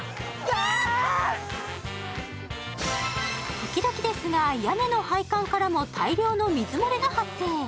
時々ですが、屋根の配管からも大量の水漏れが発生。